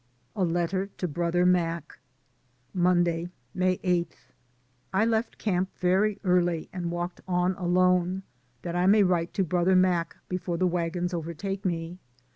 A LETTER TO BROTHER MAC. Monday, May 8. I left camp very early, and walked on alone, that I may write to Brother Mac be fore the wagons overtake me.